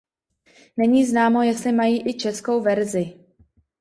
Není známo jestli mají i českou verzi.